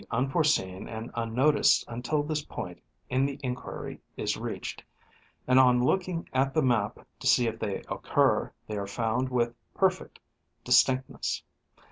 unforeseen and unnoticed until this point in the inquiry is reached ; and on looking at the map to see if they occur, they are found with perfect distinctness.